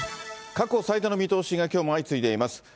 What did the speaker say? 過去最多の見通しがきょうも相次いでいます。